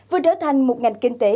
vừa trở thành một ngành kinh tế